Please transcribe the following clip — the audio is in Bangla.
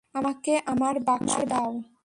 আমাকে আমার বাক্স দাও।